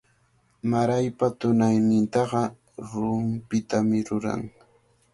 Maraypa tunaynintaqa rumpitami ruran.